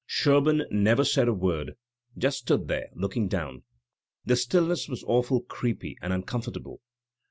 "Sherbum never said a word — just stood there, looking down. The stillness was awful creepy and uncomfortable.